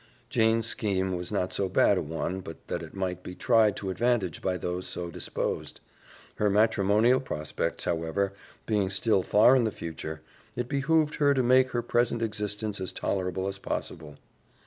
Jane's scheme was not so bad a one but that it might be tried to advantage by those so disposed. Her matrimonial prospects, however, being still far in the future, it behooved her to make her present existence as tolerable as possible.